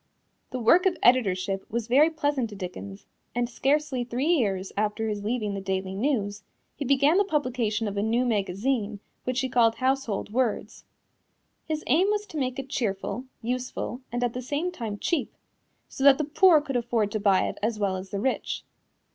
The work of editorship was very pleasant to Dickens, and scarcely three years after his leaving the Daily News he began the publication of a new magazine which he called Household Words. His aim was to make it cheerful, useful and at the same time cheap, so that the poor could afford to buy it as well as the rich.